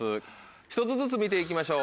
１つずつ見て行きましょう